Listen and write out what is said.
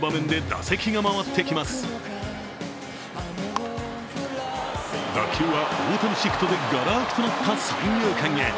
打球は大谷シフトでがら空きとなった三遊間へ。